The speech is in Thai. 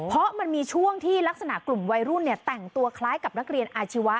เพราะมันมีช่วงที่ลักษณะกลุ่มวัยรุ่นแต่งตัวคล้ายกับนักเรียนอาชีวะ